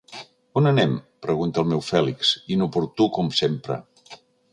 On anem? —pregunta el meu Fèlix, inoportú com sempre.